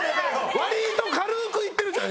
割と軽く行ってるじゃん